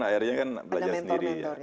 ada mentor mentornya terus belajar sendiri